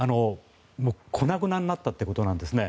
粉々になったということなんですね。